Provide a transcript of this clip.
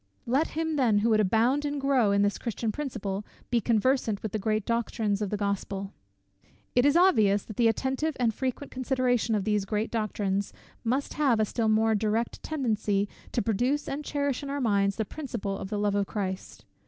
Let him then who would abound and grow in this Christian principle, be much conversant with the great doctrines of the Gospel. It is obvious, that the attentive and frequent consideration of these great doctrines, must have a still more direct tendency to produce and cherish in our minds the principle of the love of Christ.